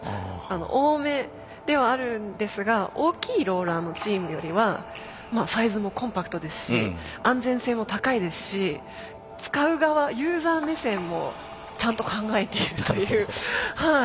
多めではあるんですが大きいローラーのチームよりはサイズもコンパクトですし安全性も高いですし使う側ユーザー目線もちゃんと考えているというはい。